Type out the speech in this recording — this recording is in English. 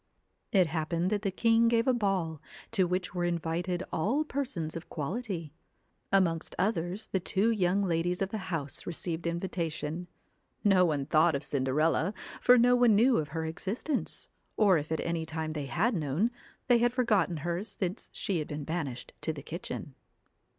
It happened that the king gave a ball, to which were invited all persons of quality. Amongst others the two young ladies of the house received invitation. No one thought of Cinderella, for no one knew of her existence ; or if at any time they had known, they had forgotten her since she had been banished to the kitchen.